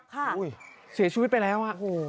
ค่ะอุ๊ยเสียชีวิตไปแล้ว